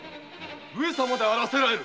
上様であらせられる！